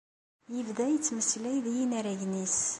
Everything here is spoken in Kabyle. Yebda yettmeslay d yinaragen-is.